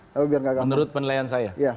menurut penilaian saya